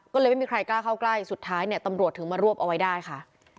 ก็เลยไม่มีใครกล้าเข้าใกล้สุดท้ายเนี่ยตำรวจถึงมารวบเอาไว้ได้ค่ะ